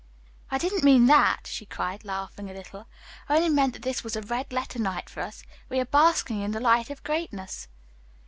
"I didn't mean that," she cried, laughing a little. "I only meant that this was a red letter night for us. We are basking in the light of greatness."